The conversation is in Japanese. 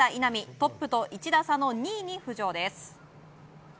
トップと１打差の２位に浮上です。